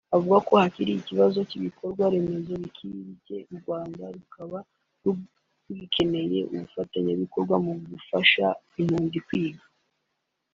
Avuga ko hakiri ikibazo cy’ibikorwa remezo bikiri bikcye u Rwanda rukaba rugikeneye abafatanyabikorwa mu gufasha impunzi kwiga